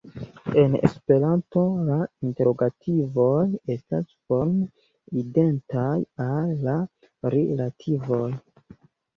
En Esperanto, la interogativoj estas forme identaj al la rilativoj.